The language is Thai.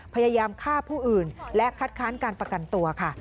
พยายามฆ่าผู้อื่นและคัดค้านการประกันตัวค่ะ